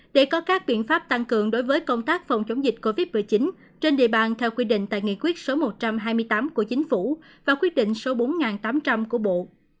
để có các biện pháp tăng cường đối với công tác phòng chống dịch covid một mươi chín trên địa bàn theo quy định tại nghị quyết số một trăm hai mươi tám của chính phủ và quyết định số bốn nghìn tám trăm linh của bộ